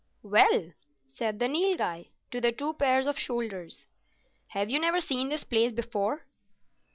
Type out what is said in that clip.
"Well," said the Nilghai to the two pairs of shoulders, "have you never seen this place before?"